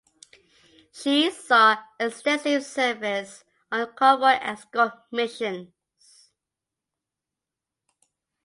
She saw extensive service on convoy escort missions.